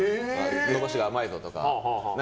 伸ばしが甘いぞとか。